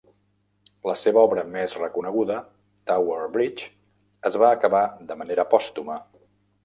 La seva obra més reconeguda, Tower Bridge, es va acabar de manera pòstuma.